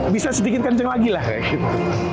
bisa sedikit kencang lagi lah kayak gitu